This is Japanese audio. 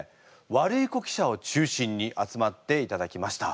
ワルイコ記者を中心に集まっていただきました。